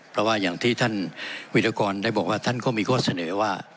เพราะว่าอย่างที่ท่านวิรากรได้บอกว่าท่านก็มีข้อเสนอว่า